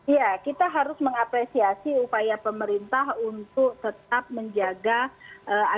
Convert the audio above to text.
iya kita harus mengapresiasi upaya pemerintah untuk tetap menjaga agar masyarakat mobilitasnya